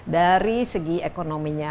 dari segi ekonominya